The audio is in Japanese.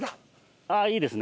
ああいいですね。